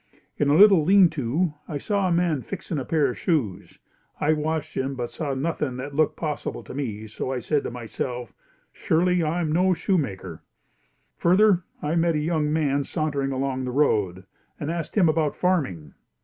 In a little leanto I saw a man fixing a pair of shoes. I watched him, but saw nothing that looked possible to me so said to myself, "Surely I am no shoemaker." Further I met a young man sauntering along the road and asked him about farming.